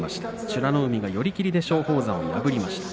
美ノ海が寄り切りで松鳳山を破りました。